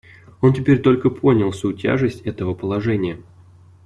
Он теперь только понял всю тяжесть этого положения.